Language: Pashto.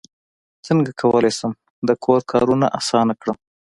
څنګه کولی شم د کور کارونه اسانه کړم